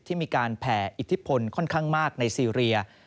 ที่มีการแผ่อิทธิพลค่อนข้างมากในซีเรีย